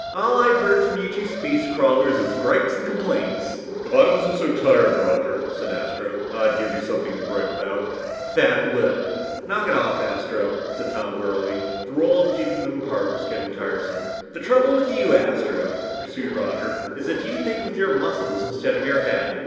"All I've heard from you two space crawlers is gripes and complaints." "If I wasn't so tired, Roger," said Astro, "I'd give you something to gripe about. A flat lip!" "Knock it off, Astro," said Tom wearily. The role of keeping them apart was getting tiresome. "The trouble with you, Astro," pursued Roger, "is that you think with your muscles instead of your head."